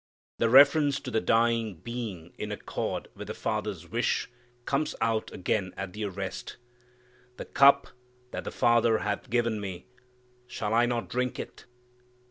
The reference to the dying being in accord with the Father's wish comes out again at the arrest, "The cup that the Father hath given me, shall I not drink it?"